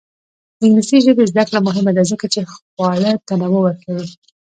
د انګلیسي ژبې زده کړه مهمه ده ځکه چې خواړه تنوع ورکوي.